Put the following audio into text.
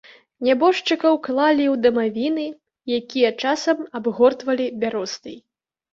Нябожчыкаў клалі ў дамавіны, якія часам абгортвалі бяростай.